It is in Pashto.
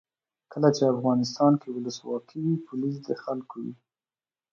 کله چې افغانستان کې ولسواکي وي پولیس د خلکو وي.